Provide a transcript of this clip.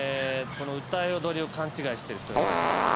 「歌い踊り」を勘違いしてる人がいました。